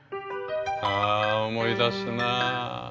あ思い出すなあ。